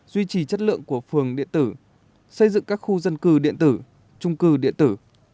duy trì chất lượng của phường điện tử xây dựng các khu dân cư điện tử trung cư điện tử